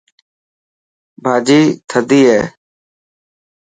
ڀاڄي ٿدي هي.